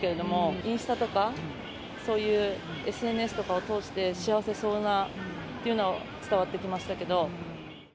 インスタとか、そういうＳＮＳとかを通して、幸せそうなっていうのは伝わってきましたけど。